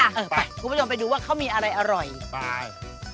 ไปกูเองไปดูว่าเค้ามีอะไรอร่อยไป